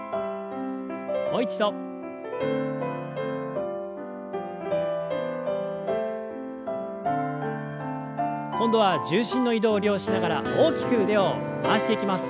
もう一度。今度は重心の移動を利用しながら大きく腕を回していきます。